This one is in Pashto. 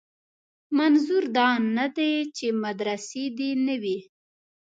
منظور دا نه دی چې مدرسې دې نه وي.